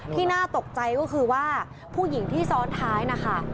น่าตกใจก็คือว่าผู้หญิงที่ซ้อนท้ายนะคะ